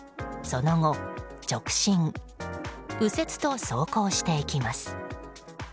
その後、直進、右折と走行していきます。